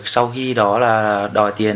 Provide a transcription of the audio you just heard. sau khi đó là đòi tiền